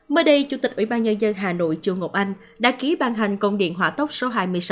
mới đây chủ tịch ubnd hà nội châu ngọc anh đã ký ban hành công điện hỏa tốc số hai mươi sáu